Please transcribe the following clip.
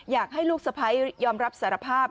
อยากให้ลูกสะพ้ายยอมรับสารภาพ